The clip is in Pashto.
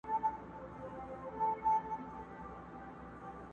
په یو لک روپۍ ارزان دی چي د مخ دیدن مي وکړې!.